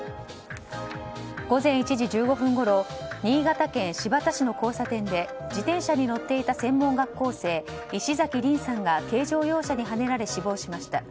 午前１時１５分ごろ新潟県新発田市の交差点で自転車に乗っていた専門学校生石崎凜さんが軽乗用車にはねられ死亡しました。